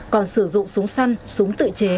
còn sử dụng súng săn súng tự chế